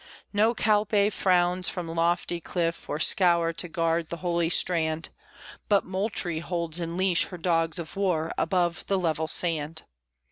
No Calpe frowns from lofty cliff or scaur To guard the holy strand; But Moultrie holds in leash her dogs of war Above the level sand.